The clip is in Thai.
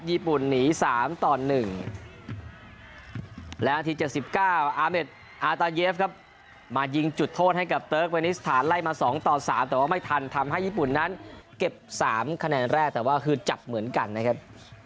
ญี่ปุ่นหนี๓ต่อ๑และนาที๗๙อาเมดอาตาเยฟครับมายิงจุดโทษให้กับเติร์กเวนิสถานไล่มา๒ต่อ๓แต่ว่าไม่ทันทำให้ญี่ปุ่นนั้นเก็บ๓คะแนนแรกแต่ว่าคือจับเหมือนกันนะครับ